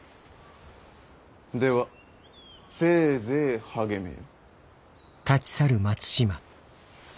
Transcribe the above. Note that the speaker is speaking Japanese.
ではせいぜい励めよ。